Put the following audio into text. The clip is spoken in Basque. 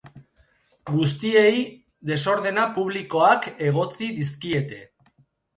Guztiei desordena publikoak egotzi dizkiete.